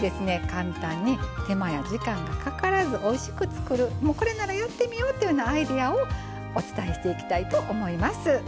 簡単に手間や時間がかからずおいしく作るもうこれならやってみようっていうようなアイデアをお伝えしていきたいと思います。